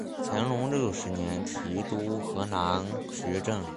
乾隆六十年提督河南学政。